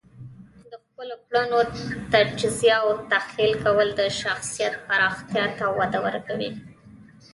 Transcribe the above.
د خپلو کړنو تجزیه او تحلیل کول د شخصیت پراختیا ته وده ورکوي.